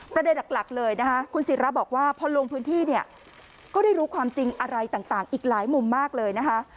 ประเด็นหลักเลยนะคะคุณศิราบอกว่าพอลงพื้นที่เนี่ยก็ได้รู้ความจริงอะไรต่างอีกหลายมุมมากเลยนะคะ